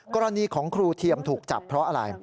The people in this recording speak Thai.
กรณีของครูเทียมถูกจับเพราะอะไร